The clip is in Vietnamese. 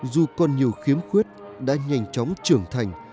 dù còn nhiều khiếm khuyết đã nhanh chóng trưởng thành